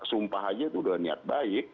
sumpah aja itu udah niat baik